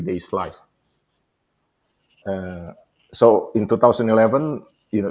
jadi pada tahun dua ribu sebelas